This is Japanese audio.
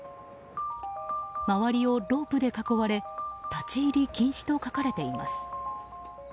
周りをロープで囲われ立ち入り禁止と書かれています。